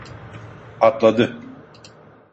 Atladı.